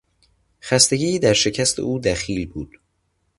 خستگی درشکست او دخیل بود.